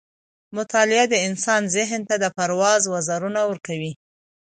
مطالعه د انسان ذهن ته د پرواز وزرونه ورکوي.